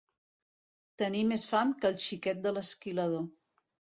Tenir més fam que el xiquet de l'esquilador.